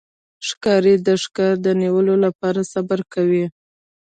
ښکاري د ښکار د نیولو لپاره صبر کوي.